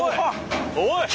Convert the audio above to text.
おい！